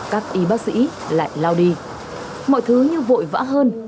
các y bác sĩ lại lao đi mọi thứ như vội vã hơn